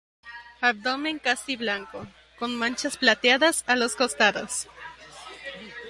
Abdomen casi blanco, con manchas plateadas a los costados.